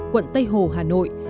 quận tây hồ hà nội